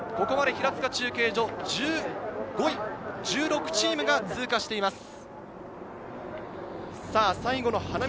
ここまで平塚中継所、１６チームが通過していま